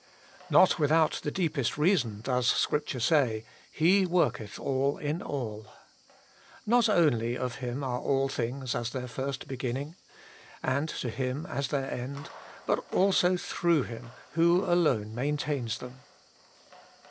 Not without the deepest reason does Scripture say. He worketh all in all. Not only of Him are all things as their first beginning, and to Him as their end, but also through Him, who alone maintains them.